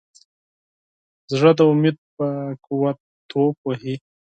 زړه د امید په قوت ټوپ وهي.